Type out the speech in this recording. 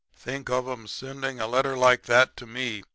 "'Think of 'em sending a letter like that to ME!'